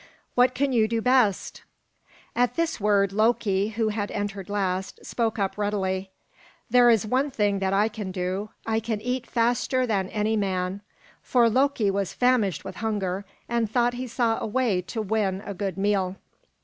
What can you do best?" At this word, Loki, who had entered last, spoke up readily: "There is one thing that I can do, I can eat faster than any man." For Loki was famished with hunger, and thought he saw a way to win a good meal.